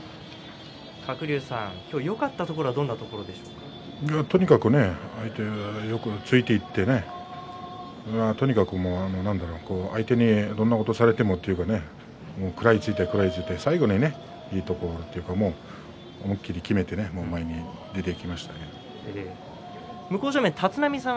鶴竜さん、今日はとにかく相手によくついていってとにかく相手にどんなことをされてもというか食らいついて、食らいついて最後にいいところ思い切ってきめてね前に出ていきましたね。